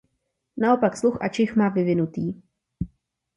Naopak sluch a čich má vyvinutý.